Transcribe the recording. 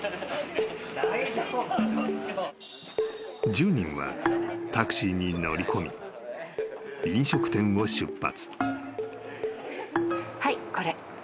［１０人はタクシーに乗り込み飲食店を出発］